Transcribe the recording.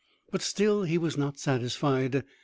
But still he was not satisfied.